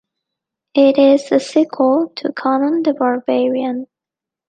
It is the sequel to "Conan the Barbarian".